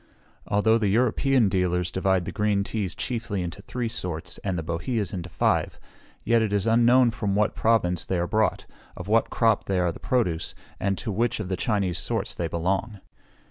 Although the European dealers divide the green teas chiefly into three sorts, and the boheas into five, yet it is unknown from what province they are brought, of what crop they are the produce, and to which of the Chinese sorts they belong.